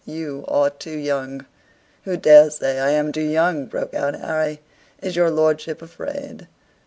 You are too young." "Who dares say I am too young?" broke out Harry. "Is your lordship afraid?"